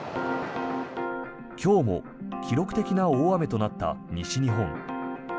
今日も記録的な大雨となった西日本。